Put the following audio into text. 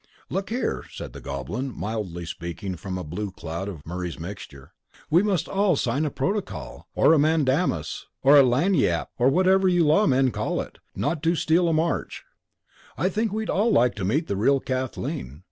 "Look here," said the Goblin, mildly, speaking from a blue cloud of Murray's Mixture, "we must all sign a protocol, or a mandamus or a lagniappe or whatever you law men call it, not to steal a march. I think we'd all like to meet the real Kathleen.